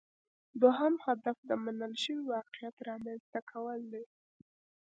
دوهم هدف د منل شوي واقعیت رامینځته کول دي